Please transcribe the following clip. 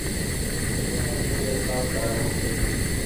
د بې نظمۍ احساس ډارونکی دی.